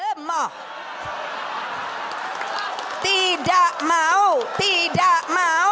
tidak mau tidak mau tidak mau